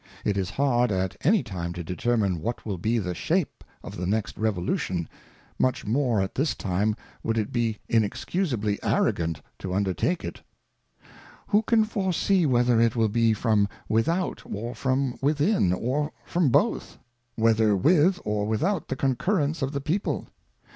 It is hard at any time to determine what will be the Shape of the next Revolution, >^ much more at this time would it be inexcusably Arrogant to ' undertake it. Who can foresee whether it will be from without, or from within, or from both ? Whether with or without the Concurrence of the People?